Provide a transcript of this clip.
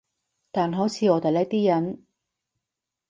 但好似我哋呢啲人